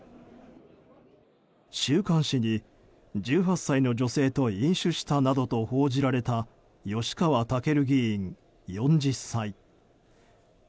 週刊誌に１８歳の女性と飲酒したなどと報じられた吉川赳議員、４０歳。